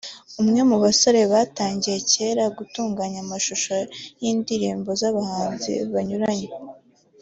umwe mu basore batangiye cyera gutunganya amashusho y’indirimbo z’abahanzi banyuranye